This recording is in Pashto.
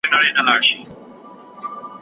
زه د ازل ښکاري خزان پر زړه ویشتلی یمه